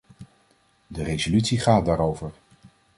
De resolutie gaat daarover.